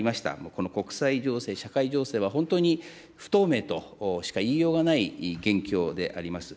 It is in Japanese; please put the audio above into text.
この国際情勢、社会情勢は、本当に不透明としか言いようがない現況であります。